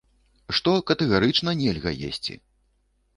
Што катэгарычна нельга есці?